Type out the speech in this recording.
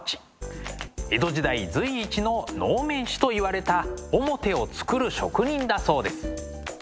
江戸時代随一の能面師といわれた面を作る職人だそうです。